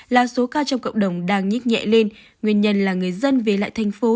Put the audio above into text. là số ca trong cộng đồng đang nhích nhẹ lên nguyên nhân là người dân về lại thành phố